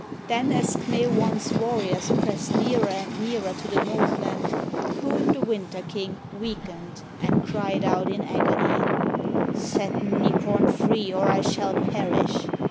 Then, as K'me wan's warriors pressed nearer and nearer to the Northland, Poon the Winter King weakened and cried out in agony, "Set Nipon free or I shall perish.